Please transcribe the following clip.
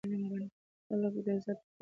د خلکو عزت يې تل ساتلی و.